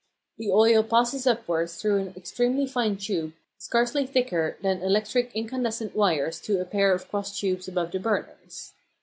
The oil passes upwards through an extremely fine tube scarcely thicker than electric incandescent wires to a pair of cross tubes above the burners.